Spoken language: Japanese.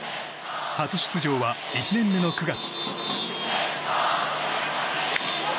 初出場は、１年目の９月。